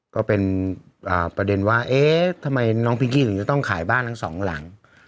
ก็เป็นประเด็นว่าเอ๊ะทำไมน้องพิงกี้ถึงจะต้องขายบ้านทั้งสองหลัง